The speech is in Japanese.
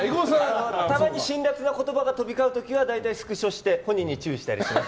たまに辛辣な言葉が飛び交う時はスクショして本人に注意したりします。